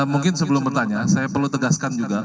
mungkin sebelum bertanya saya perlu tegaskan juga